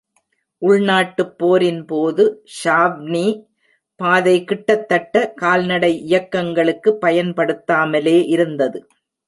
உள்நாட்டுப் போரின்போது, ஷாவ்னி பாதை கிட்டத்தட்ட கால்நடை இயக்கங்களுக்கு பயன்படுத்தாமலே இருந்தது.